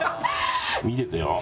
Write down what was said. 見ててよ。